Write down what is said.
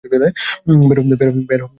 বের হ গাড়ি থেকে।